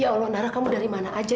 ya allah darah kamu dari mana aja